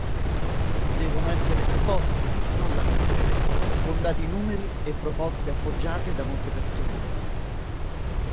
Devono essere proposte, non lamentele, con dati numeri e proposte appoggiate da molte persone!